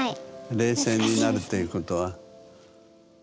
冷静になるっていうことは。